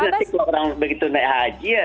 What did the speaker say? nanti kalau orang begitu naik haji ya